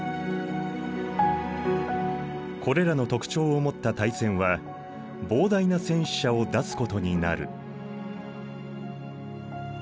これらの特徴を持った大戦は膨大な戦死者を出すことになる。